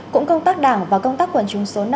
cũng công tác đảng và công tác quần chúng số năm